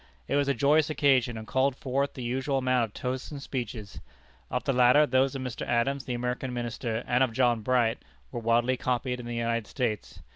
It was a joyous occasion, and called forth the usual amount of toasts and speeches. Of the latter, those of Mr. Adams, the American Minister, and of John Bright, were widely copied in the United States.